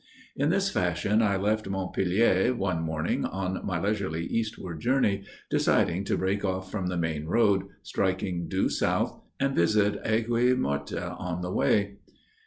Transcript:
In this fashion I left Montpellier one morning on my leisurely eastward journey, deciding to break off from the main road, striking due south, and visit Aigues Mortes on the way.